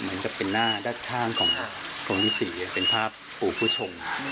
เหมือนกับเป็นหน้าด้านข้างของตรงที่๔เป็นภาพปู่ผู้ชง